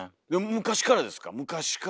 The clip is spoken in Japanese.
昔からですね。